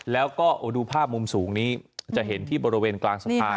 แล้วก็ดูภาพมุมสูงนี้จะเห็นที่บริเวณกลางสะพาน